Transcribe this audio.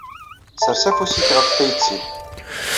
Ssers afus-nnek ɣef tayet-inu.